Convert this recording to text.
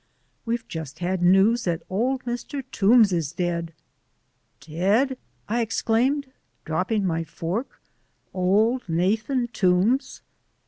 "We've just had news that old Mr. Toombs is dead." "Dead!" I exclaimed, dropping my fork; "old Nathan Toombs!"